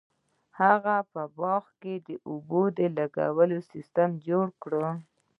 هغه په باغ کې د اوبو لګولو سیستم جوړ کړ.